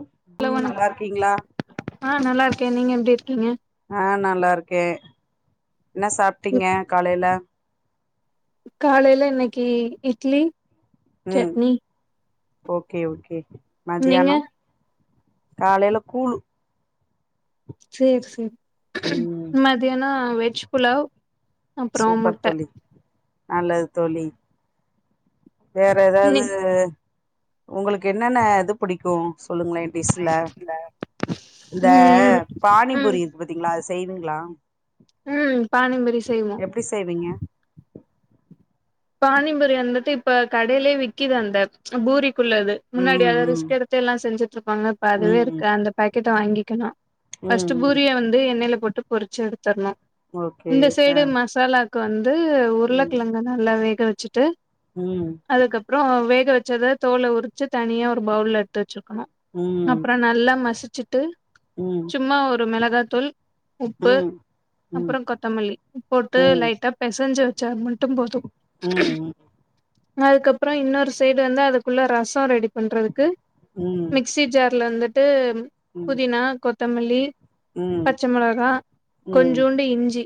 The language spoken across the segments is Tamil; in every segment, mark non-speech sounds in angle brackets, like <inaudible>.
ம் ஹலோ ம் வணக் நல்லாருக்கீங்ளா ஆ நல்லாருக்கே நீங்க எப்டி இருக்கீங்க ஆ நல்லாருக்கே என்ன சாப்ட்டீங்க காலைல காலைல இன்னைக்கு இட்லி ம் சட்னி ஓகே ஓகே நீங்க மதியானம் காலைல கூலு சேரி சேரி ம் மதியான வெஜ் புலாவ் அப்பறம் சூப்பர் முட்ட தோழி நல்லது தோழி வேற ஏதாது இன்னிக் உங்களுக்கு என்னென்ன இது புடிக்கு சொல்லுங்களே டிஸ்ல இந்த ம் ம் பானிபூரி இருக்கு பத் த்திங்ளா அது செய்வீங்ளா ம் பானிம்புரி செய்வோ எப்டி செய்வீங்க பானிபுரி வந்துட்டு இப்ப கடையிலயே விக்குது அந்த பூரிக்குள்ளது முன்னாடிய அது ரிஸ் ம் க் எடுத்து எல்லா செஞ்சுட்டு இருப்பாங்க இப்ப ம் அதுவே ம் இருக் அந்த பேக்கெட்ட வாங்கிக்கணு ஃபஸ்ட் ம் ம் பூரிய வந்து எண்ணெயில போட்டு பொரிச்சு எடுத்தரணு ஓகே இந்த ஆ சைடு மசாலா க்கு வந்து ம் உருளகெழங்க நல்லா வேக வச்சுட்டு ம் அதுக்கப்பற வேக வச்சத தோல உரிச்சு தனியா ஒரு பவுல்ல எடுத்து வச்சிக்கணு ம் அப்பற நல்லா மசிச்சுட்டு ம் சும்மா ஒரு மெளகாத்தூள் உப்பு ம் ம் அப்பற கொத்தமல்லி போட்டு ம் லைட்டாப் பெசஞ்சு வச்சா மட்டு போது ம் ம் அதுக்கப்பற இன்னொரு சைடு வந்து அதுக்குள்ள ரசோ ரெடி பண்றதுக்கு ம் மிக்சி ஜார்ல வந்துட்டு ம் புதினா கொத்தமல்லி ம் பச்ச மெளகா ம் கொஞ்சூண்டு இஞ்சி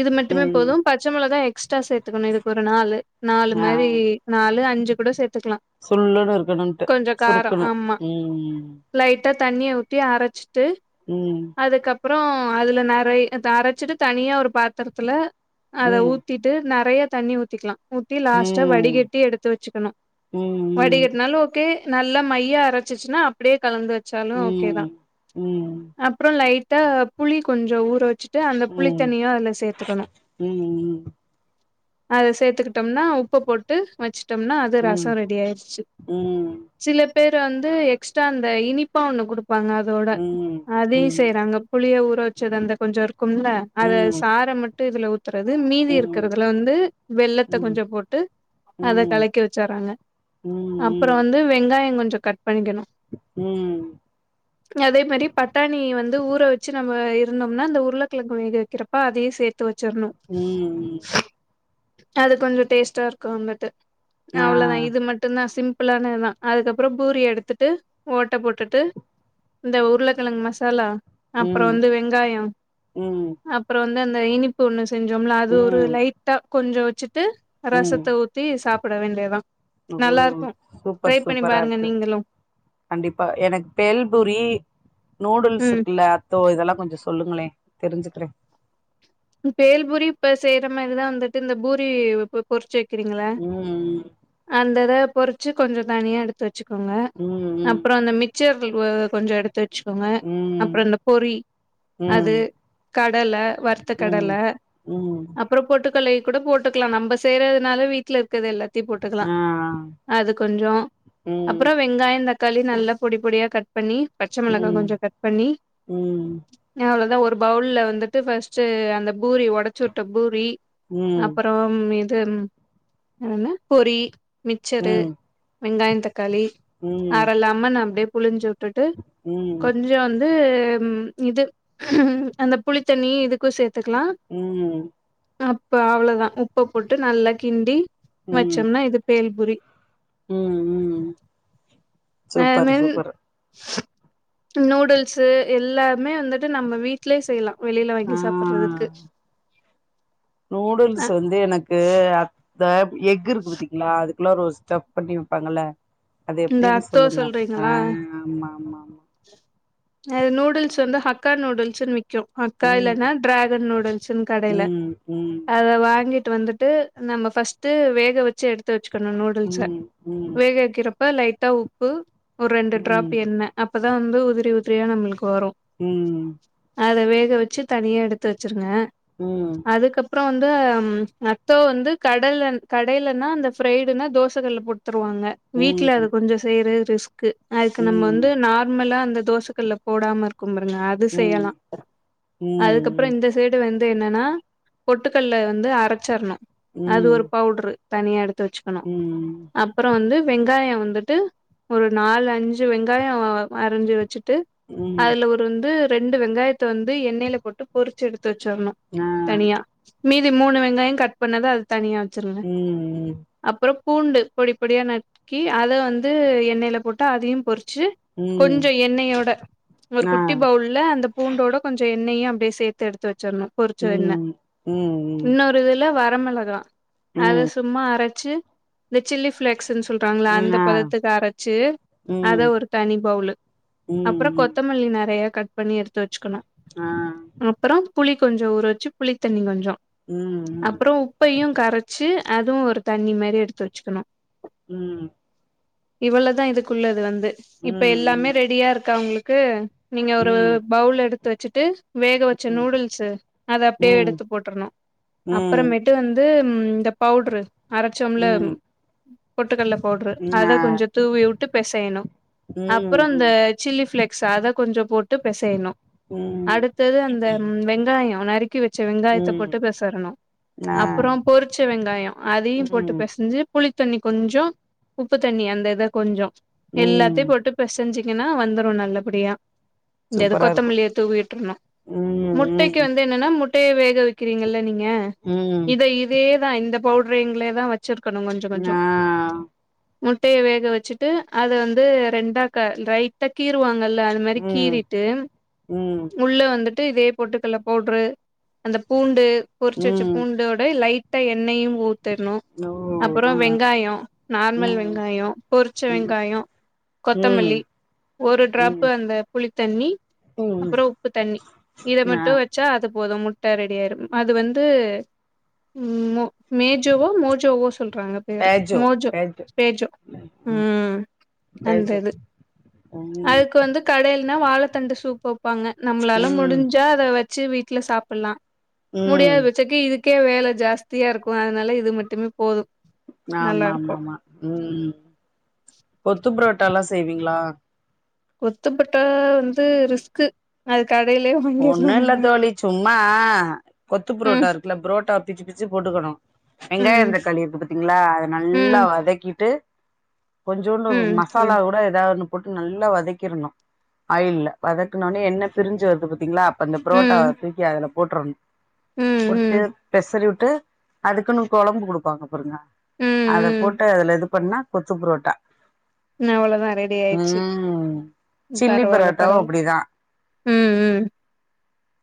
இது மட்டுமே ம் போது பச்ச மொளகா எக்ஸ்ட்ரா சேத்துக்கணு இதுக் ஒரு நாலு நாலு ஆ மாரி நாலு அஞ்சு கூட சேத்துக்கலா சுல்லுனு இருக்கணுன்ட்டு கொஞ்சோ காரோ சுருக்குணு ஆமா ம் லைட்டா தண்ணிய ஊத்தி அரச்சிட்டு ம் அதுக்கப்பறோ அதுல நெறை அரச்சிட்டு தனியா ஒரு பாத்தரத்துல அத ஊத் ம் ஊத்திட்டு நறையா தண்ணி ஊத்திக்கலா ஊத்தி லாஸ்ட்டா ம் ம் வடிகட்டி எடுத்து வச்சுக்கணும் ம் வடிகட்டுனாலு கே நல்ல மையா அரச்சிச்சுன்னா அப்டியே கலந்து வச்சாலு ம் ஓகே தா ம் ம் அப்பறோ லைட்டா புளி கொஞ்சோ ஊற வச்சு ட்டு அந்த ம் ம் புளித்தண்ணியு அதுல சேத்துக்கணு ம் ம் அத சேத்துக்கிட்டோம்னா உப்ப போட்டு வச்சுட்டோம்னா அது ம் ரசோ ரெடியாயிருச்சு சில பேரு வந்து எக்ஸ்ட்ரா அந்த இனிப்பா ஒண்ணு குடுப்பாங்க அதோட ம் ம் அதயு ம் செய்றாங்க புளிய ஊற வச்சது அந்த கொஞ்சோ இருக்கும்ல அத ம் சாற மட்டு இதுல ஊத் துறது மீதி இருக்கறதுல வந்து வெள்ளத்த ம் கொஞ்சம் போட்டு. அத கலக்கி வச்சறாங்க அப்பறோ வந்து வெங்காயோ கொஞ்சோ கட் பண்ணிக்கணு ம் அதே மாரி பட்டாணி வந்து ஊற வச்சு நம்ம இருந்தோம்னா அந்த உருளைக்கிழங்கு வேக வைக்கிறப்ப அதையு சேர்த்து வச்சிறனு ம் ம் அது கொஞ்சோ டேஸ்ட்டா இருக்கு வந்துட்டு ஆ அவ்ளோதா இது மட் டுதா சிம்பிளானதுதா அதுக்கப்புறோ பூரிய எடுத்துட்டு ஓட்ட போட்டுட்டு இந்த உருள கிழங்கு மசாலா அப்றோ ம் வந்து வெங்காயோ ம் அப்றோ வந்து அந்த இனிப் பு ஒன்னு செஞ்சோம்ல அது ஒரு ம் லைட்டா கொஞ்சோ வச்சுட்டு ம் ரசத்த ஊத்தி சாப்பட வேண்டியதா ஓ நல்லா இருக்கு ட்ரை சூப்பர் பண்ணி சூப்பரா பாருங்க இருக்கு நீங்களு கண்டிப்பா எனக்கு பேல்பூரி நூடுல்ஸ் ம் இருக்குல்ல அத்தோ இதெல்லா கொஞ்சோ சொல்லுங்களே தெரிஞ்சுக்குறே பேல்பூரி இப்ப செய்ற மாரிதா வந்துட்டு இந்த பூரி ப்ப பொறிச்சு வக்கிறீங்கள ம் அந்த இத பொரிச்சு கொஞ்சோ தனியா எடுத்து வச்சுக்கோங்க ம் அப்புறோ அந்த மிக் சர்கள் ஒ கொஞ்சோஎடுத்து வச்சுக்கோங்க ம் அப்புறோ இந்த பொறி அது ம் கடல வருத்த கடல ம் ம் அப் புறோ பொட்டுக்கள்ளயு கூட போட்டுக்கலா நம்ப செய்யறதுனால வீட்ல இருக்கறது எல்லா த்தி போட்டுக்கலா ஆ அது கொஞ்சோ ம் அப்புறோ வெங்காயோ தக்காளி நல்லா பொடி பொடியா கட் பண்ணி பச்ச மொளகா ம் கொஞ்சோ கட் பண்ணி ம் அவ்ளோதா ஒரு பவுல்ல வந்துட்டு ஃபஸ் ட்டு அந்த பூரி ஒடைச்சு உட்ட பூரி ம் அப்புறம் இது வேற என்ன பொறி ம் மிச்சரு ம் வெங்காயோ தக்காளி ம் அர லெமன்ன அப்டியே புளிஞ்சு உட்டுட்டு கொஞ்சோ ட்டு வந்து இது அந்த புளித்தண்ணி இதுக்கு சேத்துக்கலா ம் அப்ப அவ்ளோதா உப்ப போட்டு நல்லா கிண்டி ம் வச்சோம்னா இது பேல்புரி ம் ம் சூப்பர் நானுன் சூப்பர் நூடுல்ஸ்ஸு எல்லாமே வந்துட்டு நம்ம வீட்லயே செய்யலா வெளியில வாங்கி சாப் படுறதுக்கு ஆ நூடுல்ஸ் வந்து எனக்கு அ ந்த எக் இருக்கு பத்தீங்களா அது குல்லார ஒரு ஸ்டஃப் பண்ணி வப்பாங்கல்ல அது இந்த எப்டின்னு அத்தோ சொல்லுங்க ஆ சொல்றீங்களா ஆமா ஆமா அது நூடுல்ஸ் வந்து ஹக்கா நூடுல்ஸ்ன்னு விக் கு ஹக்கா ம் இல்ன்னா டிராகன் நூடுல்ஸ்ன்னு கடையில ம் ம் அத வாங்கிட்டு வந்து ட்டு நம்ம ஃப்ரிஸ்ட்டு வேக வெச்சு எடுத்து வெச்சுகனு நூடுல்ஸ்ஸ ம் ம் வேகவைக்கறப் ப்ப லைட்டா உப்பு ஒரு ரெண்டு ம் ம் டிராப் எண்ண அப்பதா வந்து உதிரி உதிரியா நம்மளுக்கு வரு ம் அத வேக வெச்சு தனியா எடுத்து வெச்சிருங்க ம் அதுக்கப்றோ வந்து அத்தோ வந்து கடல்ல கடையலனா அந்த ஃப்ரைடுன்னா தோச கல்லு போட் தருவாங்க ம் வீட்ல அது கொஞ்சோ செய்யறது ரிஸ்கு அதுக்கு நம்ம ம் வந்து நார்மலா அந்த தோசக் கல்ல போடாம இருக்கு பருங்க அது செய்யலா அதுக்கப்பறோ இந்த சைடு வந்து என்னன்னா பொட்டுக்கல்ல வந்து அரச்சர்ணு அது ம் ஒரு பவுடரு தனியா எடுத்து வெச்சுக்கணு ம் ம் அப்பற வந்து வெங் காயோ வந்துட்டு ஒரு நாலு அஞ்சு வெங்காயோ அரஞ்சு வெச்சிட்டு ம் அதுல ஒ ரு வந்து ரெண்டு வெங்காயத்த வந்து எண்ணெயில போட்டு பொறிச்சு எடுத்து வெச்சிர்ணு ஆ தனியா மீதி மூணு வெங்காயோ கட் பண்ணத அது தனியா வெச்சிருங்க ம் அப்பறோ பூண்டு பொடி பொடியா நரு க்கி அத வந்து எண்ணெயில போட்டா அதயும் பொறிச்சு ம் கொஞ்ச எண்ணெயோட ஒரு ஆ குட்டி பவுல் ல அந்த பூண்டோட கொஞ்சோ எண்ணெய்யு அப்டியே சேத்து எடுத்து வெச்சசிர்ணு பொறிச்ச எண்ண ம் ம் இன்னொரு இதுல வர மெளகா அத ம் சும்மா அரச்சு இந்த சில்லி பிளேக்ஸ்ன்னு சொ ல்லுவாங்கல்ல ம் அந்த ஆ பதத்துக்கு அரச்சு அத ம் ஒரு தனி பவுலு அப்பற ம் கொத்த மல்லி நெறையா கட் பண்ணி எடுத்து வெச்சுக்கணு ஆ அப்பறோ புளி கொஞ்சோ ஊற வெச்சு புளித்தண்ணி கொஞ்சோ ம் அப்பறோ உப்பையு கரச்சு அதுவு ஒரு தண்ணி மாரி எடுத்து வெச்சுக்கணு ம் இவ்ளதா இதுக்குள்ளது வந்து ம் இப்ப ம் எல்லாமே ரெடியா இருக்கா உங்களுக்கு நீங்க ஒரு ம் பவுல் எடுத்து வெச்சிட்டு வேக வெச்ச ம் நூடுல்ஸு அத அப்டியே ம் எடுத்து போட்டுர்ணு ம் அப்புறமேட்டு வந்து இந்த பவுட்ரு அரச்சோம்ல்ல ம் பொட்டுக்கல்ல பவுட்ரு ம் ஆ அத கொஞ்ச தூவி உட்டு பெசையணு அப்ற இந்த ம் சில்லி பிளக்ஸ் அத கொஞ்ச போட்டு பெசையணு ம் ம் அடுத்தது அந்த வெங்காயோ நரிக் கி வெச்ச வெங்காயத்த ம் போட்டு பேசறணு ஆ அப்றோ பொறிச்ச வெங்காயோ அதயு போட்டு ம் பெசஞ்சு புளித்தண்ணி கொஞ்சோ உப்பு தண்ணி அந்த இத கொஞ்சோ ம் எல்லாத்தையு போட்டு பெசஞ்சிங்கன்னா வந்துரு நல்லபடியா இந்த இது சூப்பரா இருக்கு கொத்தமல்லிய தூவி உற்றனு ம் முட்டைக்கு ம் வந்து என்னன்னா மு ட்டைய வேக வெக்கிறீங்கல்ல நீங்க ம் இத இதே தா இந்த பவுடர்ங்களே தான் வ ச்சிருக்கணு கொஞ்ச கொஞ்சோ ஆ முட்டைய வேக வெச்சிட்டு அத வந்து ரெண்டா க ரைட்டா கீறுவாங்கல்ல அந்மாரி ம் கீறிட்டு ம் முள்ளு வந்துட்டு இதே பொட்டுக்கல்ல பவுட்ரு அந்த பூண்டு பொறிச்சு வெச்ச ம் பூண்டோட லைட்டா எண்ணெயு ஊத்தணு ஓ அப்பறோ ஆ வெங் காயோ நார்மல் ம் வெங்காயோ பொரிச்ச ம் வெங்காயோ கொத்தமல்லி ம் ஒரு டிராப்பு ம் அந்த புளித்தண்ணி ம் அப்பறோ உப்பு தண்ணி இத ஆ மட்டு வெச்சா அது போது மு ட்ட ரெடி ஆயிரும் அது வந்து மோ மேஜோவோ மோஜோவோ சொல்றாங்க பேரு மோஜோ பேஜோ ம் அந்த பேஜோ இது <unintelligible> கடையல்னா வாழைத்தண்டை சூப்பு வைப்பாங்க நம்மளால ம் முடிஞ்சா அத வச்சு வீட்டுல சாப்பிடலாம் முடியாத ம் பச்சைக்கு இதுக்கே வேலை ஜாஸ்தியா இருக்கும் அதனால இது மட்டுமே போது நல்லா ஆமா இருக்கு ஆமா ஆமா ம் கொத்து புரோட்டா எல்லா செய்வீங்களா கொத்துப்பொரட்டா வந்து ரிஸ்கு அது கடையிலயே ஒண்ணுல்ல தோழி சும்மா கொத்துப்ரோட்டா ம் இருக்குல்ல புரோட்டா பிச்சு பிச்சு போட்டுக்கணு ம் வெங்காயந்தக்காளி இக்கு பத்தீங்களா அதை நல்லா ம் வதக்கிட்டு கொஞ்சோண்டு ம் மசாலா சொல்லுங்க கூட ஏதாவது போட்டு நல்லா வதக்கிடணு ஆயில்ல வதக்கனோனே என்ன பிரிஞ்சு வருது பாத்தீங்களா அந்த புரோட்டா ம் தூக்கி அதுல போட்டறனு ம் போட்டு ம் பெசறி விட்டு அதுக்குன்னு கொழம்பு குடுப்பாங்க பருங்க ம் அத ம் போட்டு அதுல இது பண்ணா கொத்துப்ரோட்டா ம் அவ்ளோதா ரெடி ஆயிடுச்சு ம் சில்லி பரவால்ல ப்ரோட்டாவு பரவால்ல அப்படிதா ம் ம்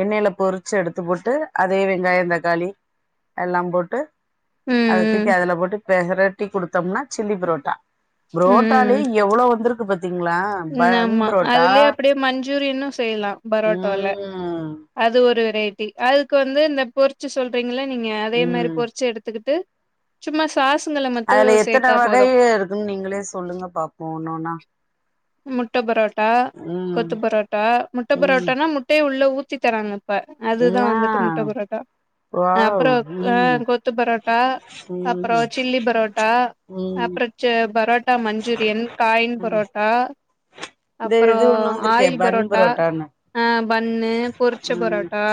எண்ணெயில பொறிச்சு எடுத்து போட்டு அதே வெங்காயந்தக்காளி எல்லா போட்டு அதை தூக்கி ம் அதுல போட்டு பெசரட்டி குடுத்தோம்னா சில்லி புரோட்டா ம் ப்ரோட்டாலே ம் எவ்ளோ வந்திருக்கு பாாரத்தீங்களா ம் ஆமா அதுலயே அப்படியே மஞ்சூரியனு செய்யலா ப்ரோட்டால்ல ம் அது ஒரு ஒரு வெரைட்டி அதுக்கு வந்து இந்த பொருச்சு சொல்றீங்கல்ல நீங்க அதே மாதிரி ம் பொருச்சு எடுத்துக்கிட்டு சும்மஸ் காசு நிலம அதுல எத்தனை வகை இருக்குன்னு நீங்களே சொல்லுங்க பாப்போ ஒன்னொன்னா முட்டை பரோட்டா ம் கொத்து பரோட்டா முட்டை ம் பரோட்டானா முட்டைய உள்ள ஊத்தி தராங்க ப்ப அதுதா ஆ வந்துட்டு முட்டை பரோட்டா அப்புற வாவ் அ ம் கொத்து பரோட்டா அப்புற ம் சில்லி பரோட்டா ம் அப்புற பரோட்டா மஞ்சூரியன் காயின் ம் பரோட்டா இந்த அப்புறோ இது ஒண்ணு வந்திருக்கே ஆயில் பன் பரோட்டா புரோட்டான்னு பண்ணு பொரிச்ச ம் பரோட்டா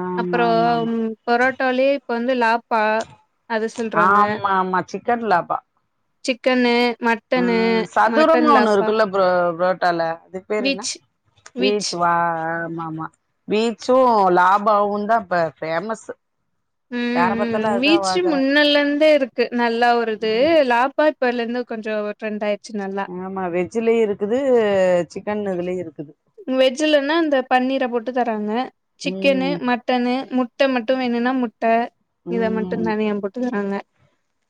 ஆமா அப்புறோ ஆமா ஆமா பரோட்டாலேயே இப்ப வந்து லாப்பா அது ஆமா ஆமா சிக்கன்லாப்பா சிக்கன்னு மட்டன்னு மட் இன்னொன் ஒண்ணு இருக்குல்ல புரோ புரோட்டால அதுக்கு பேரு என்ன விச் விச் வீச் வா ஆமாமா வீச்சு லாபாவு தான் இப்ப ஃபேமஸ் யார ம் பாத்தாலு ம் அதுதா வீச்சு வாங்குறாங்க முன்னல்ல இருந்தே இருக்கு க்கு நல்லா ஒரு இது ம் லாப்பா இப்பல்ல இருந்து கொஞ்சோ ட்ரெண்ட் ஆயிடுச்சு நல்லா ஆமா வெஜ்லயு இருக்குது சிக் வெஜ்ஜுலன்னா இந்த பன்னீர போட்டு தராங்க சிக்கனு ம் மட் ட்டனு முட்ட மட்டு வேணுன்னா முட்ட இத ம் மட்டுந்தனியா போட்டு தராங்க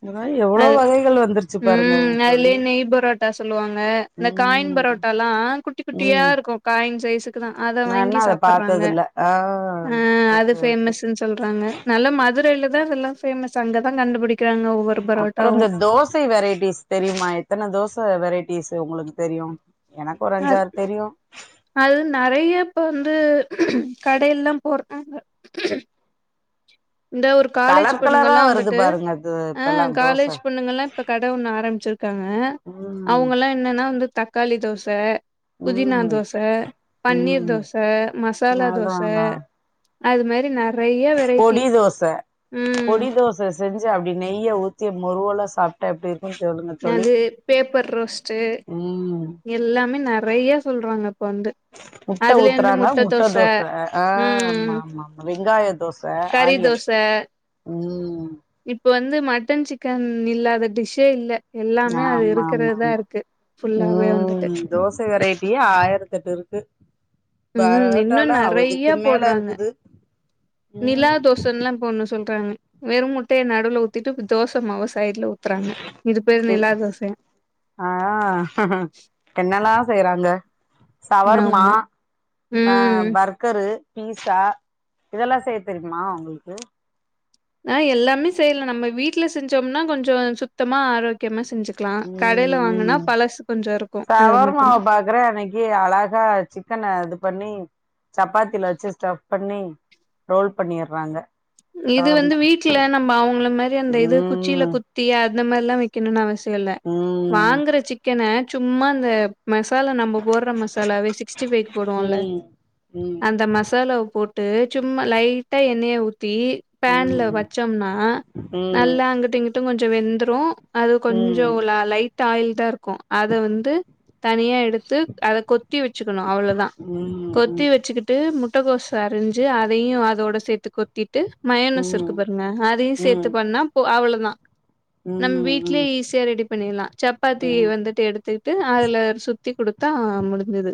இந்த மாரி எவ்ளோ அது வகைகள் வந்துருச்சு பாருங்க ம் தோழி அதுலயே நெய் பரோட்டா சொல்லுவாங்க இந்த காயின் ம் பரோட்டால்லா குட்டி குட்டியா ம் இருக்கு காயின் சைஸ்ஸு க்குதா அத நா வாங்கி இன்னு அத சாப்புறாங்க பாத்ததில்ல ஆ அது ஓகே ஓகே ஃபேமஸ்ஸு சொல்றாங்க நல்ல மதுரையில தா இதெல்லா ஃபேமஸ் அங்க தான் கண்டுபிடிக் அப்புற இந்த தோசை வெரைட்டிஸ் தெரியுமா எத்தன தோசை வெரைட்டிஸ்ஸு உங்களுக்கு தெரியு எனக்கொரு அஞ்சாறு தெரியு அல் நெறைய இப்ப வந்து கடயெல்லா போட்றாங்க இந்த ஒரு காலேஜ் கலர் கலரா பொண்ணுங்கல்லா வருது வந்துட்டு பாருங்க அது அ இப்பெல்லா தோச காலேஜ் பொண்ணுங்கல்லா இப்ப கட ஒன்னு ஆரம்ச்சிருக்காங்க ம் அவுங்கல்லா என்னனா வந்து தக்காளி தோச புதினா ம் தோச, பன்னீர் ம் தோச, மசாலா அதா தோச அதா அது மாரி ந றையா வெ பொடி தோச பொடி தோச செஞ்சு அப்டி நெய்ய ஊத்தி முறுவல சாப்ட்ட எப்டி இரு ம் சொல்லுங்க தோழி அது பேப்பர் ரோஸ்ட்டு ம் எல்லாமே நெறையா சொல்றாங்க இப்ப வந்து முட்ட ஊத்தறாங்க முட்ட தோச அ ஆ ம் ஆமா ஆமா ஆமா வெங்காய தோ ச கறி ஆனியன் தோச ம் இப்ப வந்து மட்டன், சிக்கன் இல்லாத டிஷ்ஷே இல்ல எல்லாமே அது இருக்கிறதுதா ஆமாமாமா இருக்கு ஃபுல்லாவே வந்துட்டு ம் தோச வெரைட்டியே ஆயரத்தெட்டு இருக்கு ம் இன்னு பரோட்டாலா அதுக்கு நெறையா மேல போட்றாங்க இருக்குது ம் நிலா தோ சன்லா இப்போ ஒன்னு சொல்றாங்க வெறு முட்டைய நடுவ்ல ஊத்திட்டு தோச மாவ சைட்ல ஊத் தறாங்க இது பேர் நிலா தோசையா அதா என்னலா செய்றாங்க சவர்மா ஆமா அ ம் பர் கரு, பீஸா இதெல்லா செய்ய தெரியுமா உங்கள்க்கு நா எல்லாமே செய்யலா நம்ம வீட்ல செஞ்சம்னா கொஞ்சோ சுத்தமா ஆரோக்கியமா செஞ்சுக் கலா கடைல வாங்குனா ம் பழசு கொஞ்சோ இருக்கு அது மட்டுந்தா கர அன்னைக்கி அழகா சிக்கன இது பண்ணி சப்பாத்தில வச்சு ஸ்டஃப் பண்ணி ரோல் பண்ணீர்றாங்க இது வந்து வீட்ல நம்ம அவுங்கள மாரி அந்த இது குச்சில ம் குத்தி அந்த மார்லா வெக்கணுன் அவசி யோ இல்ல ம் வாங்கற சிக்கன சும்மா அந்த மசாலா நம்ப போட்ற மசாலாவே சிக்ஸ்டி ஃபைக்கு போடுவோல்ல ம் ம் அந்த மசாலாவப் போட்டு சும்மா லைட்டா எண்ணய ஊத்தி ம் பேன்ல ம் வச்சம்னா ம் ம் நல்லா அங்குட்டு இங்குட்டு கொஞ்சோ வெந்துரு அது ம் கொஞ்சோ ம் ல லைட்டா ஆயில் தா இருக்கு அது வந்து தனியா எ டுத்து அத கொத்தி வெச்சுக்கனு அவ்ளோதா கொத்தி வெச்சிகிட் டு முட்டகோஸ் அரிஞ்சு அதயு அதோட சேத்து கொத்திட்டு மாயோனஸ் இருக்கு பாருங்க அதையு ம் சேத்து ம் பண்ணா போ அவ்ள தா நம் வீட்லே ம் ஈஸியா ரெடி பண்ணீர்லா சப்பாத்தி ம் வந்துட்டு எடுத் துட்டு அதுல சுத்தி குடுத்தா முடிஞ்சிது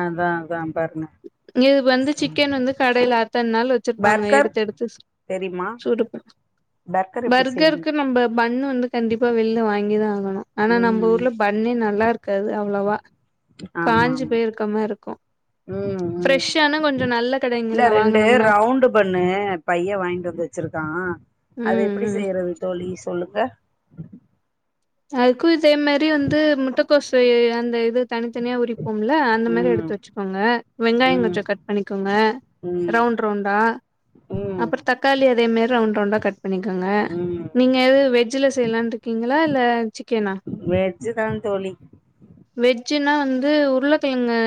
அதா அதா பாருங்க இது வந்து சிக்கன் வந்து கடைல அத்தன் நாளு வச்சிருப் பாங்க பர்கர் எடுத்தெடுத்து தெரியுமா சூடு பண் பர்கர் எப்டி பர்கர்க்கு செய்வீங்க நம்ப பன்னு வந்து கண்டிப்பா வெள்ல வாங்கிதா ஆகணு ஆனா நம்ப ம் ஊர்ல ப ன்னே நல்லார்க்காது அவ்ளவா ஆமா காஞ்சு ஆமா போய் இருக்க மார்ருக்கு ம் ம் ஃப்ரெஷ்ஷான கொஞ்சோ நல்ல கடைங்கள்ல வாங்குனம்னா பன்னு பைய வாய்ன்ட்டு வந்து வெச்சிருக்கா அது ம் எப்டி ம் செய்யறது தோழி சொல்லுங்க அதுக்கு இதே மாரி வந்து முட்டக்கோசு எ அந்த இதத் தனித்தனியா உரிப் போம்ல அந்த மாரி ம் எடுத்து வெச்சுக்கோங்க வெங்காயோ ம் கொஞ்சோ கட் பண்ணிக்கோங்க ம் ரவுண்ட் ரவுண்டா ம் அப்புற தக்காளி அதே மேரி ரவுண்ட் ரவுண்டா கட் பண்ணிக்கோங்க ம் நீங்க எது வெஜ்ஜுல செய்லான்னு இருக்கீங்களா இல் ல சிக்கனா வெஜ்ஜு தா தோழி வெஜ்ஜுன்னா வந்து உருளக்கெழங்க